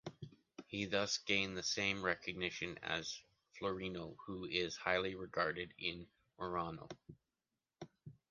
He thus gained the same recognition as Florino, who is highly regarded in Murano.